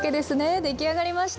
出来上がりました。